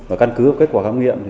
ở căn cứ kết quả khám nghiệm